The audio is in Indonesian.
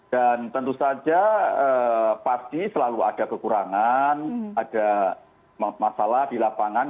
dan tentu saja pasti selalu ada kekurangan ada masalah di lapangan